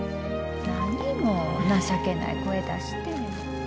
何もう情けない声出して。